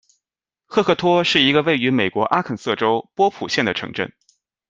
赫克托是一个位于美国阿肯色州波普县的城镇。